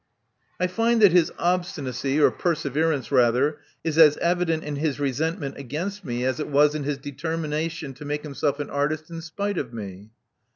I find that his obstinacy, or perseverance rather, is as evident in his resentment against me as it was in his determination to make himself an artist in spite of me."